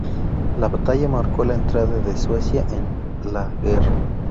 La batalla marcó la entrada de Suecia en la guerra.